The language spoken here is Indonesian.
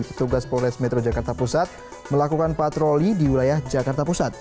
petugas polres metro jakarta pusat melakukan patroli di wilayah jakarta pusat